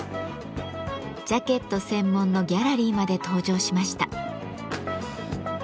ジャケット専門のギャラリーまで登場しました。